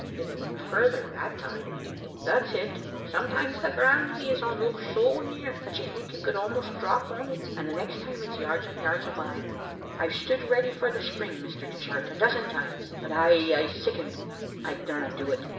"It looked further that time." " That's it ! Sometimes the ground he is on looks so near that you think you could almost drop on it, and the next time it's yards and yards awa. I've stood ready for the spring, Mr. Dishart, a dozen times, but I aye sickened. I daurnado it.